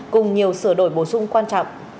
cùng nhiều sửa đổi bổ sung quan trọng